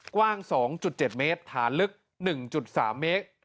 กว้าง๒๗เมตรฐานลึก๑๓เมตร